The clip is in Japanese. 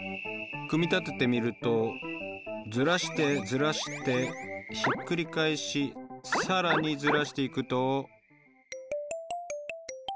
組み立ててみるとずらしてずらしてひっくり返し更にずらしていくと。